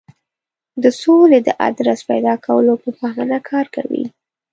د سولې د آدرس پیدا کولو په بهانه کار کوي.